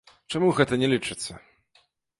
Чаму гэта не лічыцца?